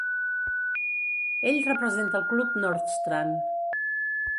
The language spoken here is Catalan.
Ell representa el club Nordstrand.